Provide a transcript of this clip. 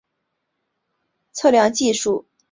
测量技术是关键和基础。